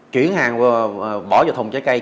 chuyển hàng bỏ vào thùng trái cây